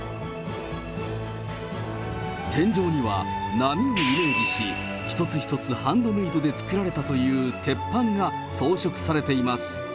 天井には波をイメージし、一つ一つハンドメードで作られたという鉄板が装飾されています。